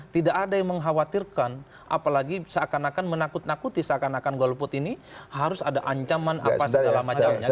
tidak ada yang mengkhawatirkan apalagi seakan akan menakut nakuti seakan akan golput ini harus ada ancaman apa segala macamnya